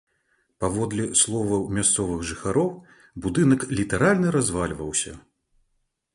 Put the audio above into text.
Паводле словаў мясцовых жыхароў, будынак літаральна развальваўся.